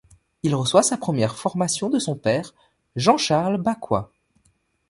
Il reçoit sa première formation de son père, Jean-Charles Baquoy.